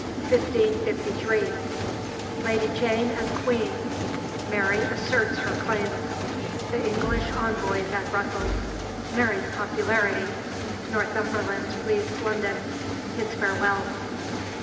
CHAPTER XVII 1553 Lady Jane as Queen Mary asserts her claims The English envoys at Brussels Mary's popularity Northumberland leaves London His farewells.